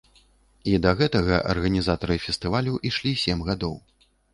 І да гэтага арганізатары фестывалю ішлі сем гадоў.